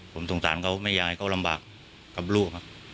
ผมสงสารเขาไม่อยากให้เขาลำบากกับลูกครับ